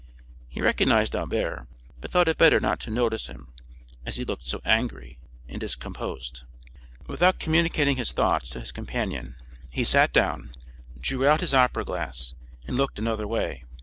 He recognized Albert, but thought it better not to notice him, as he looked so angry and discomposed. Without communicating his thoughts to his companion, he sat down, drew out his opera glass, and looked another way.